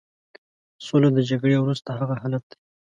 سوله د جګړې وروسته هغه حالت دی.